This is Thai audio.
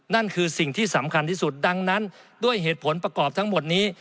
นั่นคือสิ่งที่สำคัญที่สุดดังนั้นด้วยเหตุผลประกอบทั้งหมดนี้